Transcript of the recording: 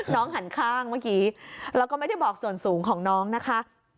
หันข้างเมื่อกี้แล้วก็ไม่ได้บอกส่วนสูงของน้องนะคะ